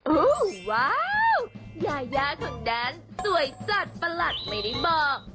โอ้โหว้าวยายาคนนั้นสวยจัดประหลัดไม่ได้บอก